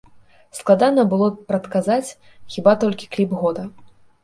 Складана было прадказаць хіба толькі кліп года.